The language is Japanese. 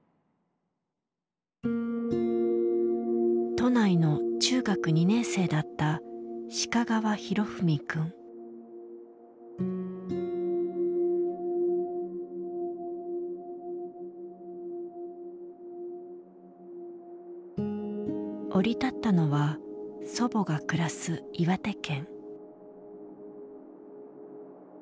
都内の中学２年生だった降り立ったのは祖母が暮らす岩手県。